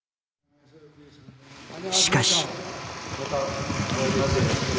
しかし。